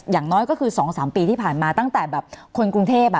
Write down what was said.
อย่างน้อยก็คือ๒๓ปีที่ผ่านมาตั้งแต่แบบคนกรุงเทพ